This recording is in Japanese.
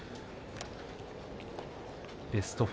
ベスト４